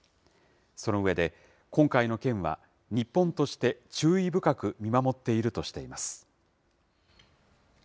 その上で、今回の件は、日本として注意深く見守っているとしています。